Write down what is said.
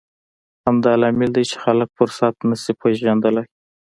همدا لامل دی چې خلک فرصت نه شي پېژندلی.